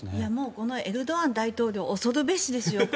このエルドアン大統領恐るべしですよ。